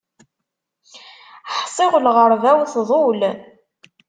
Ḥṣiɣ lɣerba-w tḍul.